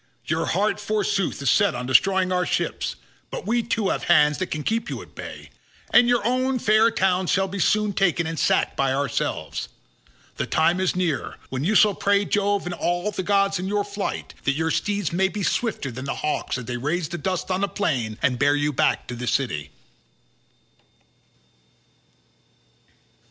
Your heart, forsooth, is set on destroying our ships, but we too have hands that can keep you at bay, and your own fair town shall be sooner taken and sacked by ourselves. The time is near when you shall pray Jove and all the gods in your flight, that your steeds may be swifter than hawks as they raise the dust on the plain and bear you back to your city."